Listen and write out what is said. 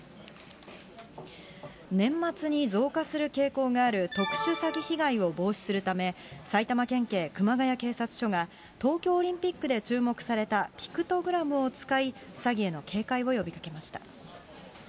年末に増加する傾向がある特殊詐欺被害を防止するため、埼玉県警熊谷警察署が、東京オリンピックで注目されたピクトグラムを使い、詐欺への警戒を呼びかけました。